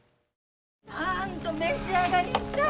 たんと召し上がりんしゃい！